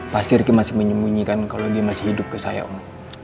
pasti riki masih menyembunyikan kalau dia masih hidup ke saya om